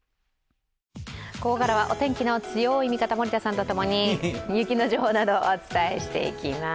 ここからはお天気の強い味方、森田さんと共に雪の情報などお伝えしていきます。